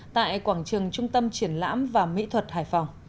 tại quảng trường trung tâm triển lãm và mỹ thuật hải phòng